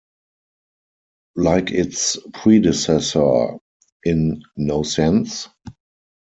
Like its predecessor, In No Sense?